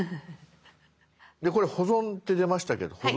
でこれ「保存」って出ましたけど保存。